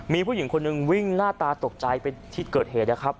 มีผู้หญิงคนนึงวิ่งหน้าตาตกใจเป็นที่เกิดเหตุ